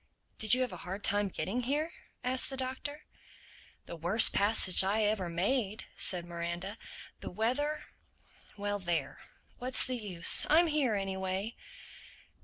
"Did you have a hard time getting here?" asked the Doctor. "The worst passage I ever made," said Miranda. "The weather—Well there. What's the use? I'm here anyway."